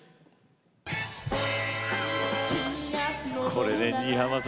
これね新浜さん